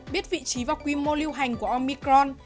biết vị trí và quy mô lưu hành của omicron